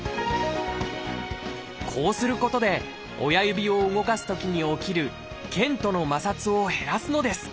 こうすることで親指を動かすときに起きる腱との摩擦を減らすのです。